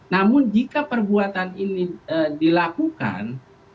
namun jika perbuatan ini dilakukan